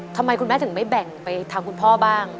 ทำไมคุณแม่ถึงไม่แบ่งไปทางคุณพ่อบ้าง